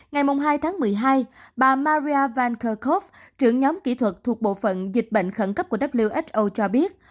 ngày hai tháng một mươi hai bà maria vankerkov trưởng nhóm kỹ thuật thuộc bộ phận dịch bệnh khẩn cấp của who cho biết